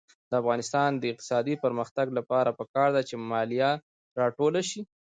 د افغانستان د اقتصادي پرمختګ لپاره پکار ده چې مالیه راټوله شي.